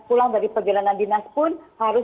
pulang dari perjalanan dinas pun harus